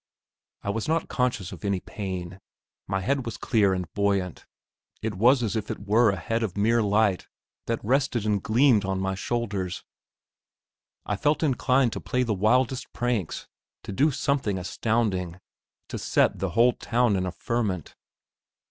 I was not conscious of any pain. My head was clear and buoyant; it was as if it were a head of mere light that rested and gleamed on my shoulders. I felt inclined to play the wildest pranks, to do something astounding, to set the whole town in a ferment.